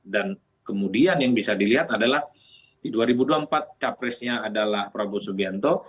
dan kemudian yang bisa dilihat adalah di dua ribu dua puluh empat capresnya adalah prabowo subianto